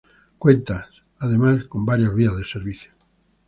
Cuenta, además con varias vías de servicio.